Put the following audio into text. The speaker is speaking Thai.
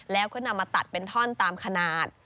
แล้วก็นำมาตัดเป็นท่อนตามขนาด